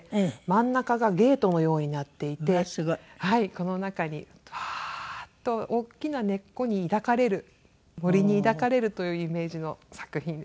この中にワーッと大きな根っこに抱かれる森に抱かれるというイメージの作品です。